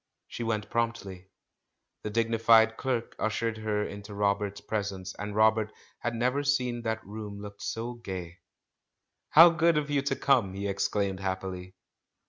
She went promptly. The dignified clerk ush ered her into Robert's presence, and Robert had never seen that room look so gay. "How good of you to come!" he exclaimed happily.